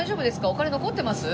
お金入ってます？